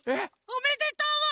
おめでとう！